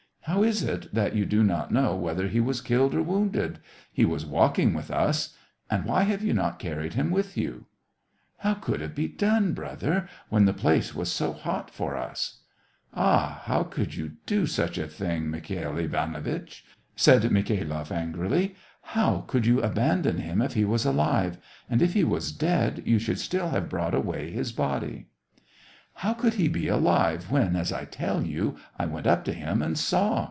*' How is it that you do not know whether he was killed or wounded } He was walking with us. And why have you not carried him with you }" "How could it be done, brother^ when the place was so hot for us !" "Ah, how could you do such a thing, Mikhail Ivanowitch !" said Mikhailoff, angrily. — "How could you abandon him if he was alive ; and if he was dead, you should still have brought away his body." SEVASTOPOL IN MAY. 107 " How could he be alive when, as I tell you, I went up to him and saw